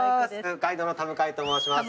ガイドの田向と申します。